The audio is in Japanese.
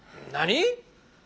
何！？